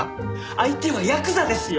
相手はヤクザですよ！